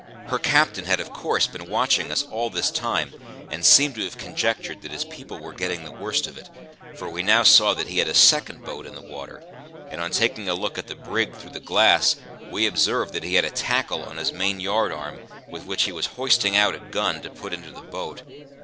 Her captain had of course been watching us all this time, and seemed to have conjectured that his people were getting the worst of it, for we now saw that he had a second boat in the water; and on taking a look at the brig through the glass, we observed that he had a tackle on his main yard arm, with which he was hoisting out a gun to put into the boat.